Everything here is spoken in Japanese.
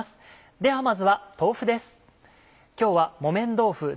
ではまずは豆腐です。